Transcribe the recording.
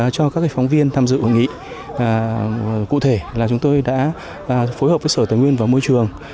cho các phóng viên tham dự hội nghị cụ thể là chúng tôi đã phối hợp với sở tài nguyên và môi trường